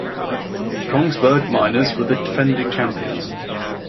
Kongsberg Miners were the defending champions.